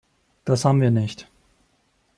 Das haben wir nicht.